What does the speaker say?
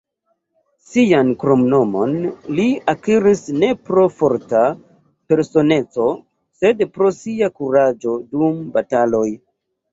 Sian kromnomon li akiris ne pro forta personeco, sed pro sia kuraĝo dum bataloj.